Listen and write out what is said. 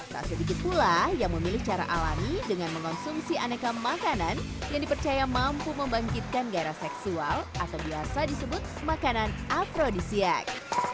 tak sedikit pula yang memilih cara alami dengan mengonsumsi aneka makanan yang dipercaya mampu membangkitkan gairah seksual atau biasa disebut makanan afrodisiak